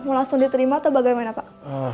mau langsung diterima atau bagaimana pak